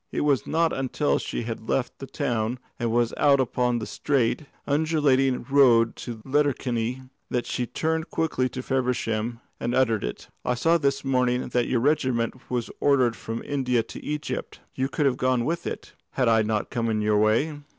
It was not until she had left the town and was out upon the straight, undulating road to Letterkenny that she turned quickly to Feversham and uttered it. "I saw this morning that your regiment was ordered from India to Egypt. You could have gone with it, had I not come in your way.